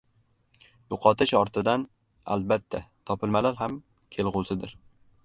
Yo‘qotish ortidan, albatta, topilmalar ham kelg‘usidur.